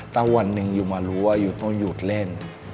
ถ้าวันท่านอยู่มาตลอดแล้วรู้ว่ามันต้องให้เราหยุดเล่น